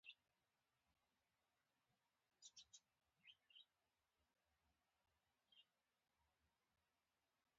کندز سیند د افغانستان د بڼوالۍ برخه ده.